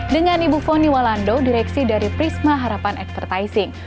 dengan ibu foni walando direksi dari prisma harapan advertising